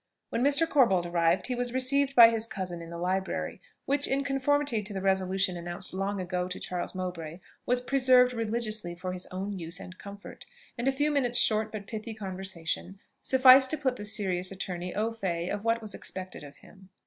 When Mr. Corbold arrived, he was received by his cousin in the library, which, in conformity to the resolution announced long ago to Charles Mowbray, was preserved religiously for his own use and comfort; and a few minutes' short but pithy conversation sufficed to put the serious attorney au fait of what was expected of him.